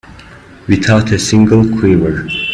Without a single quiver.